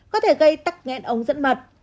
có thể gây tắc nghẹn ống dẫn mật